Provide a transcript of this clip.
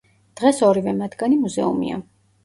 დღეს ორივე მათგანი მუზეუმია.